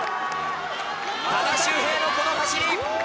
多田修平のこの走り。